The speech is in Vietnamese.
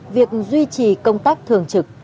việc duy trì công tác thường trực